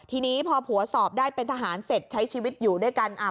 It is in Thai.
ทีนี้พอผัวสอบได้เป็นทหารเสร็จใช้ชีวิตอยู่ด้วยกัน